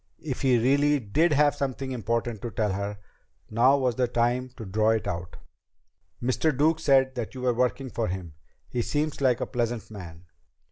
If he really did have something important to tell her, now was the time to draw it out. "Mr. Duke said that you were working for him. He seems like a pleasant man."